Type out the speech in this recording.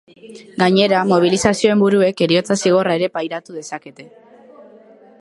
Gainera, mobilizazioen buruek heriotza zigorra ere pairatu dezakete.